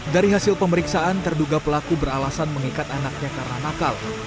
dari hasil pemeriksaan terduga pelaku beralasan mengikat anaknya karena nakal